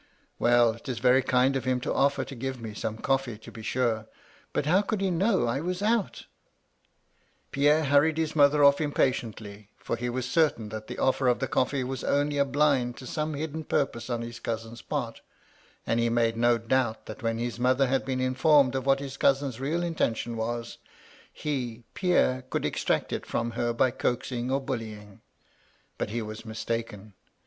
"* WeD, it is very kind of him to oflFer to give me some coflFee, to be sure I But how could he know I was out V " Pierre hurried his mother oflF impatiently, for he was certain that the oflFer of the coflfee was only a blind to some hidden purpose on his cousin's part ; and he made no doubt that when his mother had been informed of what his cousin's real intention was, he, Pierre, could extract it from her by coaxing or bully ing. But he was mistaken.